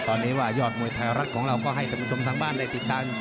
ตอนนี้ว่ายอดมวยไทยรัฐของเราก็ให้ท่านผู้ชมทางบ้านได้ติดตาม